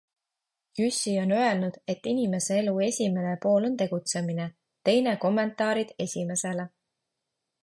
Jüssi on öelnud, et inimese elu esimene pool on tegutsemine, teine kommentaarid esimesele.